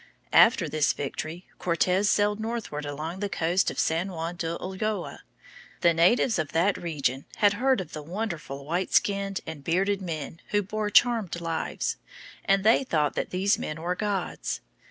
After this victory Cortes sailed northward along the coast of San Juan de Ulloa. The natives of that region had heard of the wonderful white skinned and bearded men who bore charmed lives, and they thought that these men were gods.